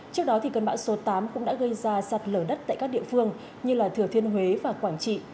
trước đó cơn bão số tám cũng đã gây ra sạt lở đất tại các địa phương như thừa thiên huế và quảng trị